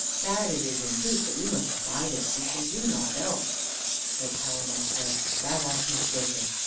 Sad it is in truth, but we must abide it. We can do nought else." But Palamon said: "Thou art mistaken.